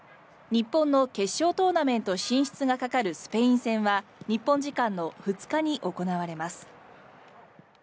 日本の決勝トーナメント進出がかかるスペイン戦は日本時間の２日に行われます。